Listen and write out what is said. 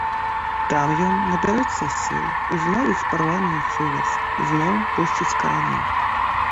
Там ён набярэцца сіл, узновіць парваную сувязь, зноў пусціць карані.